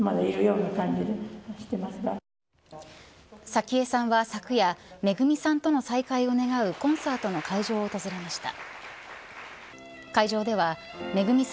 早紀江さんは昨夜めぐみさんとの再会を願うコンサートの会場を訪れました。